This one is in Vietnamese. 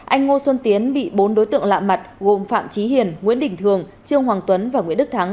anh ngô xuân tiến bị bốn đối tượng lạ mặt gồm phạm trí hiền nguyễn đình thường trương hoàng tuấn và nguyễn đức thắng